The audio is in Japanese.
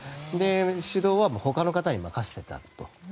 指導は他の方に任せてたと。